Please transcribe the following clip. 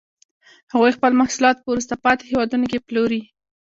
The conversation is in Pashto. هغوی خپل محصولات په وروسته پاتې هېوادونو کې پلوري